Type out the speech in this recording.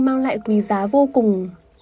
mang lại quý giá vô cùng